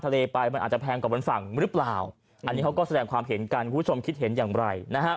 แล้วก็แสดงความเห็นกันผู้ชมคิดเห็นอย่างไร